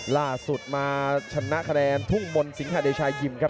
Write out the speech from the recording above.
ล่าสุดมาชนะคะแนนทุ่งมนต์สิงหาเดชายิมครับ